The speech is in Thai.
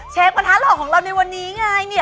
กระทะหล่อของเราในวันนี้ไงเนี่ย